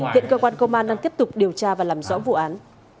hiện cơ quan công an đang tiếp tục điều tra và làm rõ vụ án